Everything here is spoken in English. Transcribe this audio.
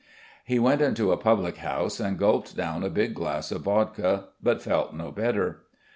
He went into a public house and gulped down a big glass of vodka, but felt no better.